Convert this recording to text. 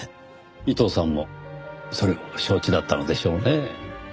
伊藤さんもそれを承知だったのでしょうねぇ。